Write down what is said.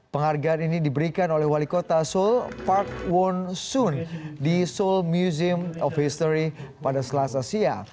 penghargaan ini diberikan oleh wali kota seoul park won sun di seoul museum of history pada selasa siang